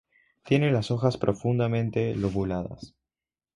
Tiene las hojas profundamente lobuladas.